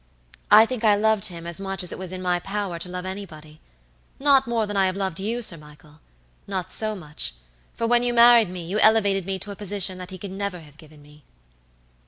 I think I loved him as much as it was in my power to love anybody; not more than I have loved you, Sir Michaelnot so much, for when you married me you elevated me to a position that he could never have given me."